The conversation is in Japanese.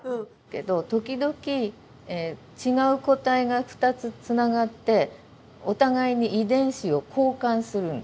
けど時々違う個体が２つつながってお互いに遺伝子を交換するんです。え！？